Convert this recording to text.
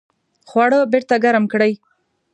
خواړه بیرته ګرم کړئ